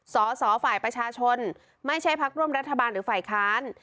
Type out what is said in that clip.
สสฝประชาชนไม่ใช่ภักดิ์ร่วมรัฐบาลหรือฝ่ายค้าน